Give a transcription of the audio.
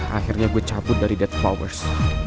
akhirnya gua cabut dari dead flowers